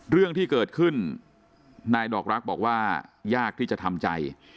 เรื่องที่เกิดขึ้นนายดอกรักบอกว่ายากที่จะทำใจ